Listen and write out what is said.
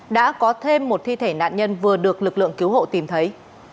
đã có thêm một thi thể nạn nhân vừa được lực lượng cứu hộ tìm thấy